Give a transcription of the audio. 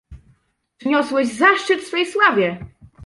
"Przyniosłeś zaszczyt swej sławie!"